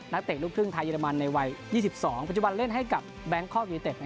เตะลูกครึ่งไทยเรมันในวัย๒๒ปัจจุบันเล่นให้กับแบงคอกยูนิเต็ด